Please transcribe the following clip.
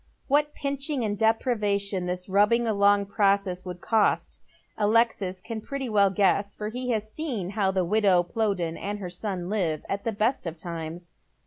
What pinching and deprivation this rubbing along process will cost, Alexis can pi'etty well guess, for he has seen how the wido^* Plowden and her son live at tlae best of times.